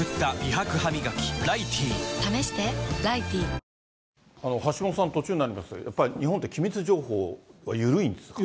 それ非常に、橋下さん、今、橋下さん、途中になりました、やっぱり日本って機密情報、緩いんですか？